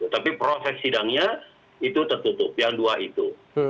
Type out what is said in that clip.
tapi proses sidangnya itu tertutup yang dua itu